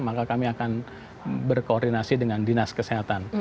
maka kami akan berkoordinasi dengan dinas kesehatan